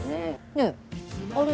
ねえあれ。